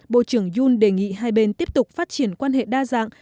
bộ trưởng yoon đề nghị hai bên tiếp tục phát triển quan hệ đa dạng